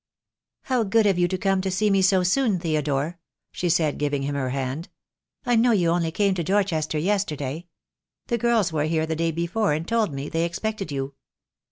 "How good of you to come to see me so soon, Theo dore," she said, giving him her hand. "I know you only came to Dorchester yesterday. The girls were here the day before, and told me they expected you."